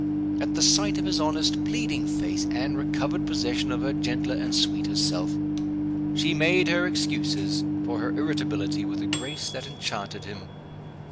At the sight of his honest, pleading face, Anne recovered possession of her gentler and sweeter self. She made her excuses for her irritability with a grace that enchanted him.